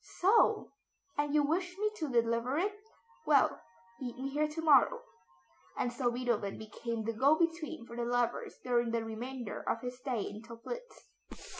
"So! And you wish me to deliver it? Well, meet me here to morrow;" and so Beethoven became the go between for the lovers during the remainder of his stay in Töplitz.